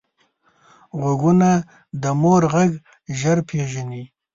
غوږونه د مور غږ ژر پېژني